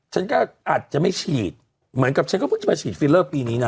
แต่ก็อาจจะไม่ฉีดเหมือนไม่ไหวเทียดตัวปีนี้นะ